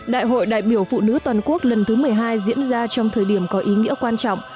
đại hội đại biểu phụ nữ toàn quốc lần thứ một mươi hai diễn ra trong thời điểm có ý nghĩa quan trọng